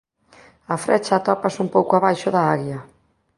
A frecha atopase un pouco abaixo da Aguia.